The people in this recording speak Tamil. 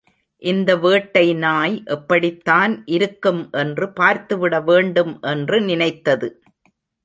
இந்த வேட்டை நாய் எப்படித்தான் இருக்கும் என்று பார்த்துவிடவேண்டும் என்று நினைத்தது.